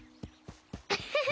ウフフフ！